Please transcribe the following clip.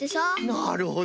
なるほど。